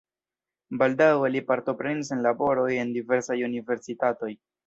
Baldaŭe li partoprenis en laboroj en diversaj universitatoj.